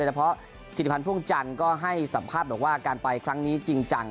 เฉพาะธิริพันธ์พ่วงจันทร์ก็ให้สัมภาษณ์บอกว่าการไปครั้งนี้จริงจัง